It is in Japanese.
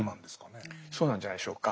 そうなんじゃないでしょうか。